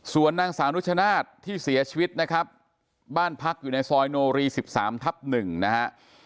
ส่วนนางสาวนุชนาธิ์ที่เสียชีวิตนะครับบ้านพักอยู่ในซอยโนรี๑๓ทับ๑นะฮะ